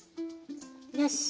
よし。